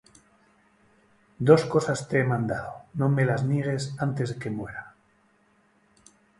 Dos cosas te he demandado; No me las niegues antes que muera.